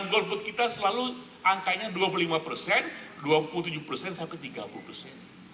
golput kita selalu angkanya dua puluh lima persen dua puluh tujuh persen sampai tiga puluh persen